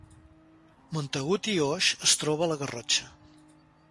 Montagut i Oix es troba a la Garrotxa